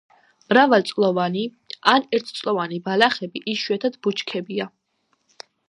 მრავალწლოვანი ან ერთწლოვანი ბალახები, იშვიათად ბუჩქებია.